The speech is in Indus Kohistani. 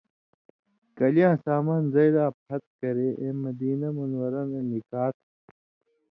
کلیۡیاں سامان زئ لا پھت کرے اېں مدینہ منوّرہ نہ نِکا تھہ؛